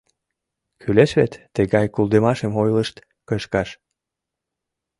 Кӱлеш вет, тыгай кӱлдымашым ойлышт кышкаш!